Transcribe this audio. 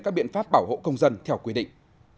các biện pháp bảo hộ công dân theo quy định